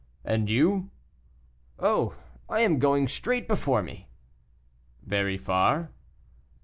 And you?" "Oh! I am going straight before me." "Very far?"